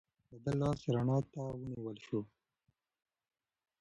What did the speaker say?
د ده لاس رڼا ته ونیول شو.